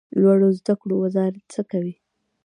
لوړو زده کړو وزارت څه کوي؟